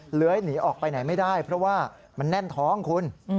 เลื้อยหนีออกไปไหนไม่ได้เพราะว่ามันแน่นท้องคุณ